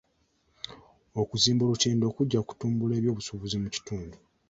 Okuzimba olutindo kujja kutumbula ebyobusuubuzi mu kitundu.